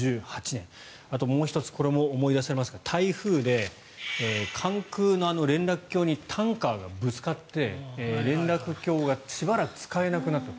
あと、もう１つこれも思い出されますが台風で関空の連絡橋にタンカーがぶつかって、連絡橋がしばらく使えなくなった。